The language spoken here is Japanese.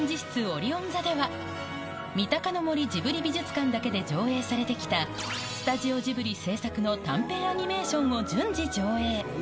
オリヲン座では、三鷹の森ジブリ美術館だけで上映されてきた、スタジオジブリ制作の短編アニメーションを順次上映。